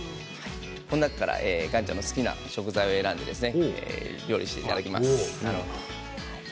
この中から岩ちゃんの好きな食材を選んで料理していただきます。